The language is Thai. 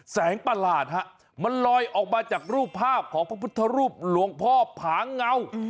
ประหลาดฮะมันลอยออกมาจากรูปภาพของพระพุทธรูปหลวงพ่อผางเงา